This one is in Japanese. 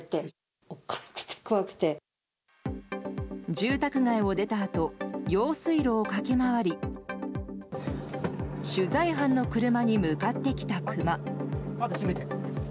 住宅街を出たあと用水路を駆け回り取材班の車に向かってきたクマ。